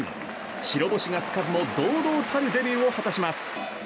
白星がつかずも堂々たるデビューを果たします。